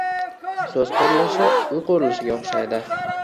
So‘z qurilishi uy qurilishiga o‘xshaydi.